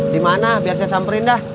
dimana biar saya samperin dah